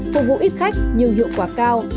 phục vụ ít khách nhưng hiệu quả cao